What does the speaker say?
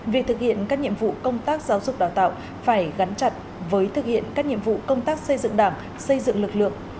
việc thực hiện các nhiệm vụ công tác giáo dục đào tạo phải gắn chặt với thực hiện các nhiệm vụ công tác xây dựng đảng xây dựng lực lượng